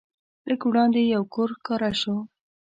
لږ وړاندې یو کور ښکاره شو.